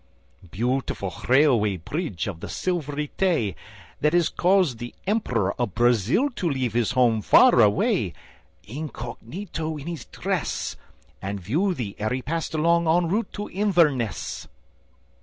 Beautiful Railway Bridge of the Silvery Tay! That has caused the Emperor of Brazil to leave His home far away, incognito in his dress, And view thee ere he passed along en route to Inverness.